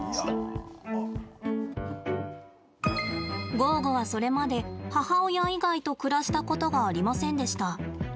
ゴーゴは、それまで母親以外と暮らしたことがありませんでした。